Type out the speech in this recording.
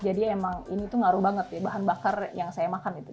jadi emang ini tuh ngaruh banget ya bahan bakar yang saya makan